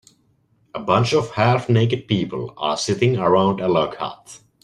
A bunch of half naked people are sitting around a log hut